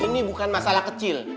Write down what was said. ini bukan masalah kecil